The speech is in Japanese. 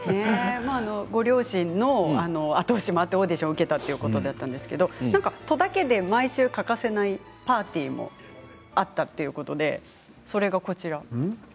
ご両親の後押しもあってオーディションを受けたということだったんですけれど戸田家で毎週欠かせないパーティーもあったということでそれがこちらです。